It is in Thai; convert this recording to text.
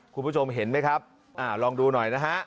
คุณผู้ชมเห็นไหมครับอ่าลองดูหน่อยนะฮะ